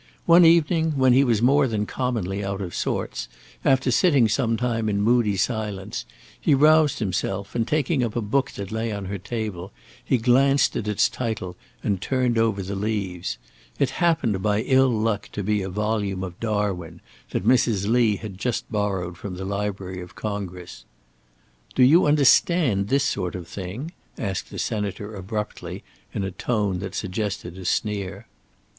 One evening when he was more than commonly out of sorts, after sitting some time in moody silence, he roused himself, and, taking up a book that lay on her table, he glanced at its title and turned over the leaves. It happened by ill luck to be a volume of Darwin that Mrs. Lee had just borrowed from the library of Congress. "Do you understand this sort of thing?" asked the Senator abruptly, in a tone that suggested a sneer.